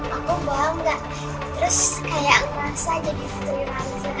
aku bangga terus kayak ngerasa jadi putri raja